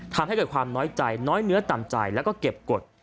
ทำให้เกิดความน้อยใจน้อยเนื้อต่ำใจแล้วก็เก็บกฎ